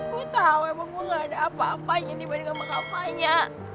gue tau emang gue gak ada apa apanya dibanding sama kapanya